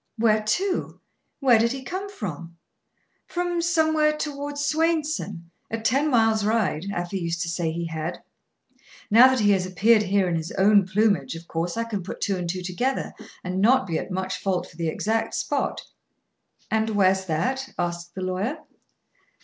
"Where to? Where did he come from?" "From somewhere toward Swainson; a ten mile's ride, Afy used to say he had. Now that he has appeared here in his own plumage, of course I can put two and two together, and not be at much fault for the exact spot." "And where's that?" asked the lawyer.